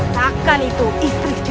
dan anda berdua